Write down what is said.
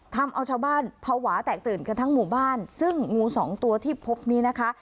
ทำเอาชาวบ้านภาวะแตกตื่นกันทั้งหมู่บ้านซึ่งงูสองตัวที่พบนี้นะคะ